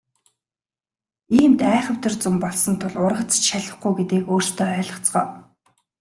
Иймд айхавтар зун болсон тул ургац ч шалихгүй гэдгийг өөрсдөө ойлгоцгоо.